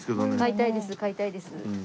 買いたいです買いたいです。